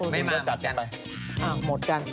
ไม่มาหมดกัน